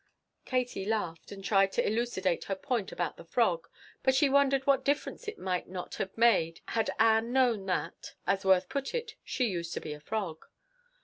Katie laughed and tried to elucidate her point about the frog. But she wondered what difference it might not have made had Ann known that, as Worth put it, she used to be a frog.